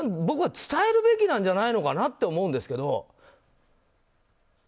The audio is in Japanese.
僕は伝えるべきなんじゃないのかなって思うんですけど。